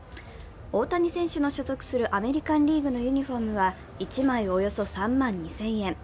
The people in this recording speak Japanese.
大谷選手の所属するアメリカン・リーグのユニフォームは１枚およそ３万２０００円。